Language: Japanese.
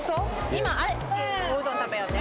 今おうどん食べようね。